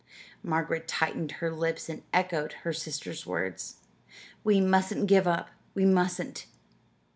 Margaret tightened her lips and echoed her sister's words: "We mustn't give up we mustn't!"